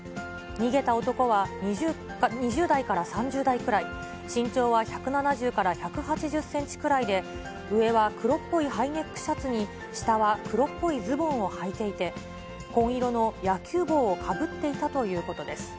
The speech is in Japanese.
逃げた男は２０代から３０代くらい、身長は１７０から１８０センチくらいで、上は黒っぽいハイネックシャツに、下は黒っぽいズボンをはいていて、紺色の野球帽をかぶっていたということです。